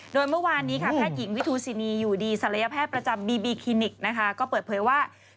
โดยเมื่อวานนี้ค่ะแพทย์หญิงวิทูซินีอยู่ดีศัลยแพทย์ประจำบีบีคลินิกนะคะก็เปิดเผยว่า